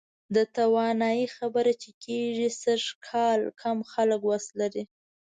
د توانایي خبره چې کېږي، سږکال کم خلک وس لري.